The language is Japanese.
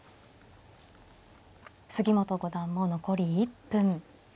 杉本五段も残り１分。